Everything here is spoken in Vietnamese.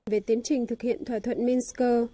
về tiến trình thực hiện thỏa thuận minsk